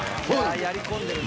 やり込んでるな。